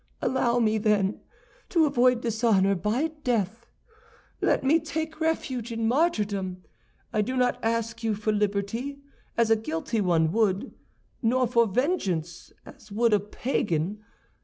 Allow me, then, to avoid dishonor by death; let me take refuge in martyrdom. I do not ask you for liberty, as a guilty one would, nor for vengeance, as would a pagan.